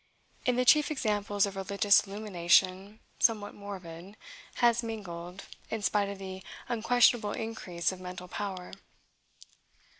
In the chief examples of religious illumination, somewhat morbid, has mingled, in spite of the unquestionable increase of mental power.